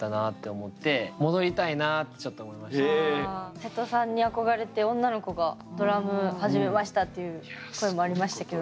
せとさんに憧れて女の子がドラム始めましたっていう声もありましたけど。